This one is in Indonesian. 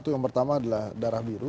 itu yang pertama adalah darah biru